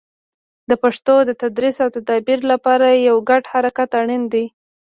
د پښتو د تدریس او تدابیر لپاره یو ګډ حرکت اړین دی.